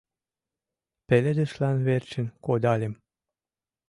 Пеледышлан верчын кодальым.